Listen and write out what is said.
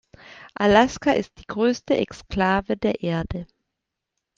Alaska ist die größte Exklave der Erde.